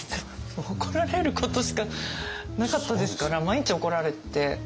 もう怒られることしかなかったですから毎日怒られて。